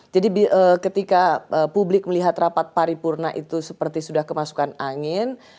jadi ketika publik melihat rapat pari purna itu seperti sudah kemasukan angin